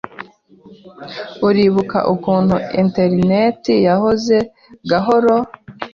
Uribuka ukuntu interineti yahoze gahoro?